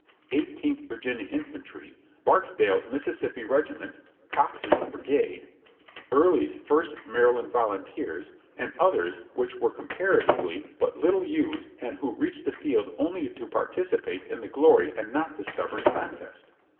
: Eighteenth Virginia Infantry, Barksdale's Mississippi Regiment, Cocke's brigade, Early's First Maryland Volunteers, and others which were comparatively but little used and who reached the field only to participate in the glory and not the stubborn contest.